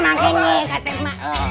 ini kak tim mak